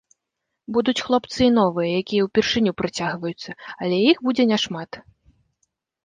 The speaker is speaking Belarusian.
Будуць хлопцы і новыя, якія ўпершыню прыцягваюцца, але іх будзе не шмат.